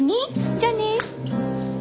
じゃあね。